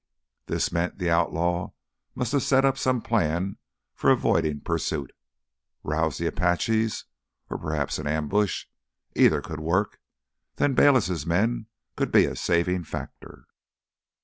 This meant the outlaw must have set up some plan for avoiding pursuit. Rouse the Apaches? Or prepare an ambush? Either could work. Then Bayliss' men could be a saving factor.